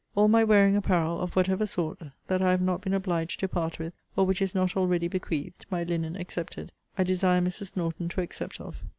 All my wearing apparel, of whatever sort, that I have not been obliged to part with, or which is not already bequeathed, (my linen excepted,) I desire Mrs. Norton to accept of.